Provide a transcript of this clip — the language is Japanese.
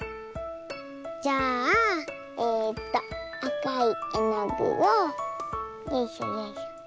じゃあえっとあかいえのぐをよいしょよいしょ。